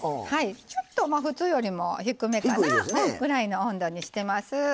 ちょっと普通よりも低めぐらいの温度にしてます。